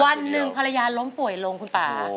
วันหนึ่งภรรยาล้มป่วยลงคุณป่า